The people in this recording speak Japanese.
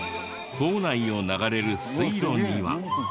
校内を流れる水路には。